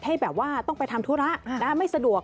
ให้แบบว่าต้องไปทำธุระไม่สะดวก